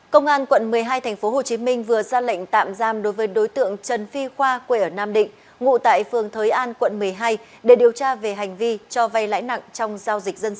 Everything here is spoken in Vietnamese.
công an quận một mươi hai tp hcm vừa ra lệnh tạm giam đối với đối tượng trần phi khoa quê ở nam định ngụ tại phường thới an quận một mươi hai để điều tra về hành vi cho vay lãi nặng trong giao dịch dân sự